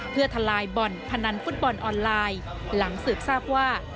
เพื่อทลายบ่อนพนันฟุตบอลออนไลน์หลังสืบทราบว่า